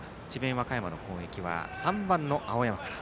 和歌山の攻撃は３番の青山から。